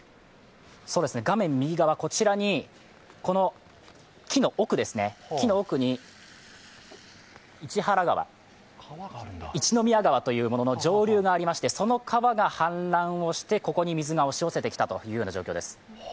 画面右側、こちら、木の奥に一宮川というものの上流がありましてその川が氾濫して、ここに水が押し寄せてきたという状況です。